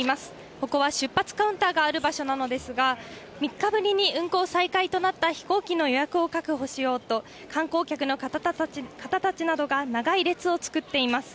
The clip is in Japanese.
ここは出発カウンターがある場所なんですが、３日ぶりに運航再開となった飛行機の予約を確保しようと、観光客の方たちなどが、長い列を作っています。